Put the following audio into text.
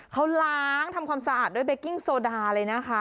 เขาล้างทำความสะอาดด้วยเบกกิ้งโซดาเลยนะคะ